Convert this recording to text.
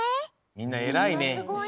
みんなすごいね。